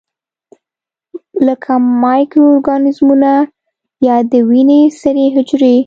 لکه مایکرو ارګانیزمونه یا د وینې سرې حجرې.